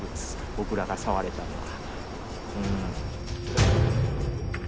僕らが触れたのは。